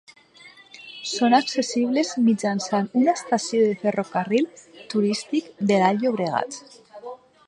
Són accessibles mitjançant una estació del Ferrocarril Turístic de l'Alt Llobregat.